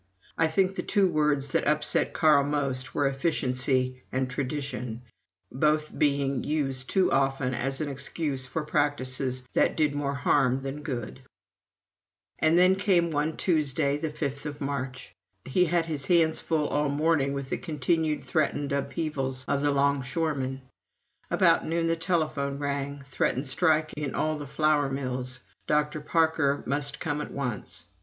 I think the two words that upset Carl most were "efficiency" and "tradition" both being used too often as an excuse for practices that did more harm than good. And then came one Tuesday, the fifth of March. He had his hands full all morning with the continued threatened upheavals of the longshoremen. About noon the telephone rang threatened strike in all the flour mills; Dr. Parker must come at once.